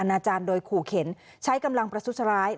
อาจารย์โดยขู่เข็นใช้กำลังประทุษร้าย